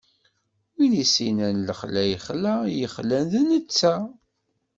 Win i s-innan lexla ixla, i yexlan d netta.